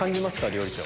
料理長。